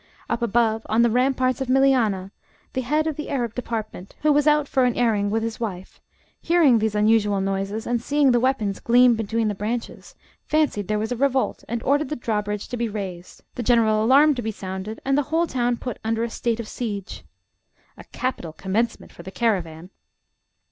Up above, on the ramparts of Milianah, the head of the Arab Department, who was out for an airing with his wife, hearing these unusual noises, and seeing the weapons gleam between the branches, fancied there was a revolt, and ordered the drawbridge to be raised, the general alarm to be sounded, and the whole town put under a state of siege. A capital commencement for the caravan!